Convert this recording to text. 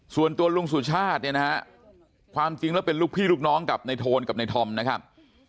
ส่วนตัวลุงสุชาติเนี่ยนะฮะความจริงแล้วเป็นลูกพี่ลูกน้องกับในโทนกับในธอมนะครับ